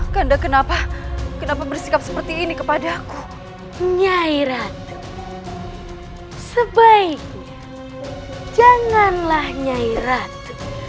kandaprabu kenapa kenapa bersikap seperti ini kepada aku nyairat sebaiknya janganlah nyairat